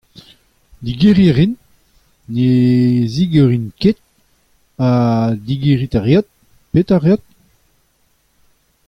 Digeriñ a rin, ne zigorin ket, ha digeriñ a reot, petra a reot.